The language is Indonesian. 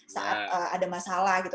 saat ada masalah gitu